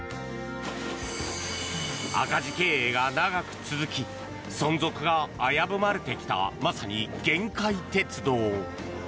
赤字経営が長く続き存続が危ぶまれてきたまさに限界鉄道。